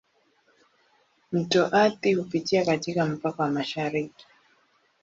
Mto Athi hupitia katika mpaka wa mashariki.